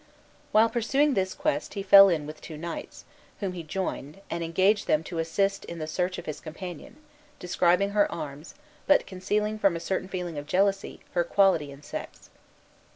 While pursuing this quest he fell in with two knights, whom he joined, and engaged them to assist him in the search of his companion, describing her arms, but concealing, from a certain feeling of jealousy, her quality and sex.